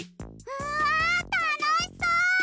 うわたのしそう！